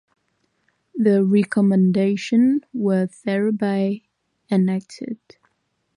The recommendations were thereby enacted.